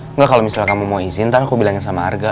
engga kalo misalnya kamu mau izin ntar aku bilangin sama arga